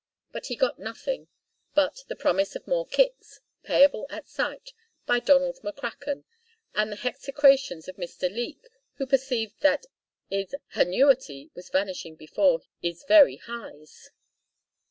But he got nothing but the promise of more kicks, payable at sight, by Donald McCracken, and the hexecrations of Mister Leek who perceived that 'is hannuity was vanishing before 'is very heyes.